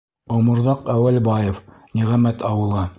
Оморҙаҡ ӘҮӘЛБАЕВ, Ниғәмәт ауылы: